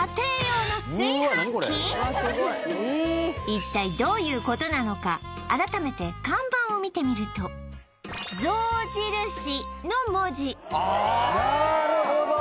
一体どういうことなのか改めて看板を見てみると「象印」の文字なーるほど！